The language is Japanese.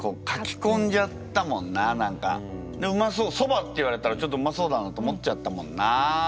そばって言われたらちょっとうまそうだなって思っちゃったもんな。